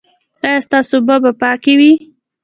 ایا ستاسو اوبه به پاکې وي؟